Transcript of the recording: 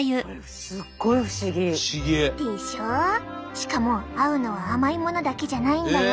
しかも合うのは甘いものだけじゃないんだよ。